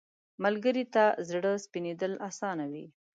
ملګری ته زړه سپینېدل اسانه وي